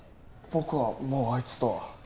僕はもうあいつとは。